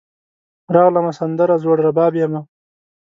راغلمه , سندره زوړرباب یمه